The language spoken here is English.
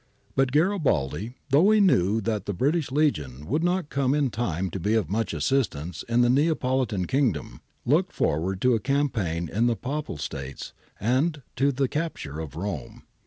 But Garibaldi, though he knew that the British Legion would not come in time to be of much assistance in the Neapolitan kingdom, looked forward to a campaign in the Papal States, and to the capture of Rome.